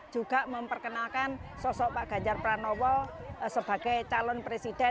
juga memperkenalkan sosok pak ganjar pranowo sebagai calon presiden dua ribu dua puluh